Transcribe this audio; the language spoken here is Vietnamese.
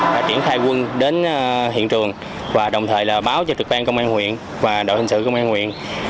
chuyển thai quân đến hiện trường và đồng thời là báo cho trực ban công an huyện và đội hình sự công an huyện